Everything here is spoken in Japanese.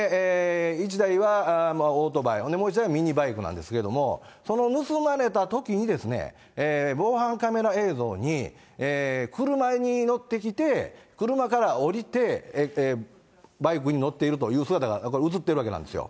１台はオートバイ、ほんでもう１台はミニバイクなんですけども、その盗まれたときに、防犯カメラ映像に、車に乗ってきて、車から降りて、バイクに乗っているという姿が写ってるわけなんですよ。